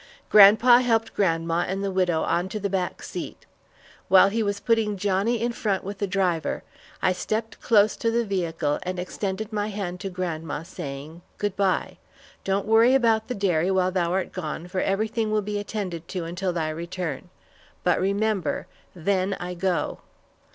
Grandpa helped grandma and the widow on to the back seat. While he was putting Johnnie in front with the driver, I stepped close to the vehicle, and extended my hand to grandma, saying, "Good bye, don't worry about the dairy while thou art gone, for everything will be attended to until thy return; but remember then I go."